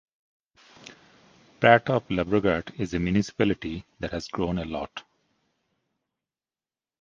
Prat of Llobregat is a municipality that has grown a lot.